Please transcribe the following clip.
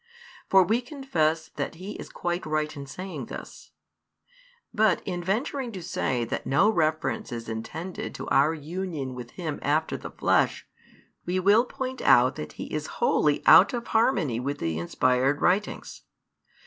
For we confess that he is |370 quite right in saying this; but in venturing to say that no reference is intended to our union with Him after the flesh, we will point out that he is wholly out of harmony with the inspired writings.